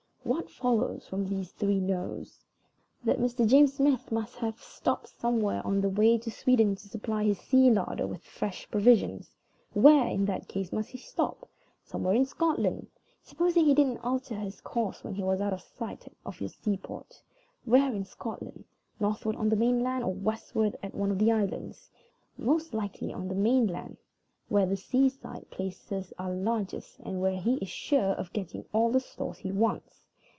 What follows from these three Noes? That Mr. James Smith must have stopped somewhere on the way to Sweden to supply his sea larder with fresh provisions. Where, in that case, must he stop? Somewhere in Scotland, supposing he didn't alter his course when he was out of sight of your seaport. Where in Scotland? Northward on the main land, or westward at one of the islands? Most likely on the main land, where the seaside places are largest, and where he is sure of getting all the stores he wants.